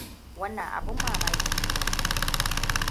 Wannan abin mamaki ne.